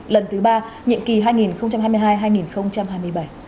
lần thứ ba nhiệm kỳ hai nghìn hai mươi hai hai nghìn hai mươi bảy